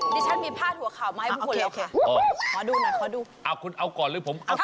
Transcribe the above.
เดี๋ยวฉันมีภาพหัวข่าวมาให้บุคคลเลี่ยวค่ะ